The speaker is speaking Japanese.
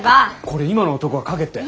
これ今の男が書けって？